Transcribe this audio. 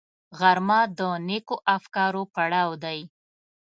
غرمه د نېکو افکارو پړاو دی